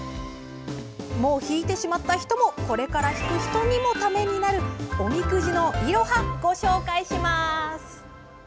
もう引いてしまった人もこれから引く人にもためになるおみくじのいろはご紹介します。